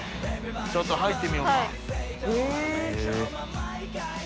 ちょっと入ってみようか。